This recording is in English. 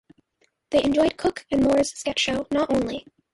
They enjoyed Cook and Moore's sketch show Not Only...